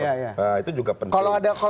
nah itu juga penting